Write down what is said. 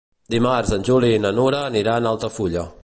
Dimarts en Juli i na Nura aniran a Altafulla.